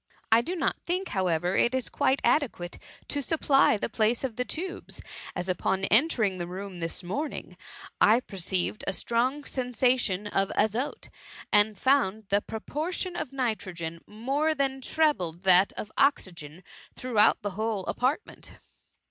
I do not think, however, that it is quite adequate to supply the place of the tubes, as upon en« tering the room this morning, I perceived a strong sensation of azote, and found that the proportion of nitrogen more than trebled that of oxygen throughout the whole apartment.''